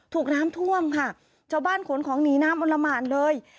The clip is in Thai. ถูกน้ำท่วมค่ะชาวบ้านขนของหนีน้ำอลละหมานเลย